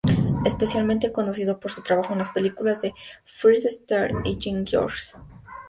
Especialmente conocido por su trabajo en las películas de Fred Astaire y Ginger Rogers.